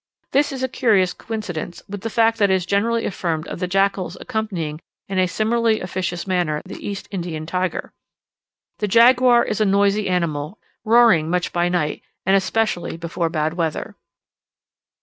This is a curious coincidence with the fact which is generally affirmed of the jackals accompanying, in a similarly officious manner, the East Indian tiger. The jaguar is a noisy animal, roaring much by night, and especially before bad weather.